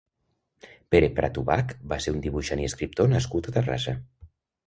Pere Prat Ubach va ser un dibuixant i escriptor nascut a Terrassa.